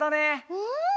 うん。